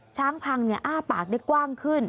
ช้างพังอ้าปากได้กว้างขึ้น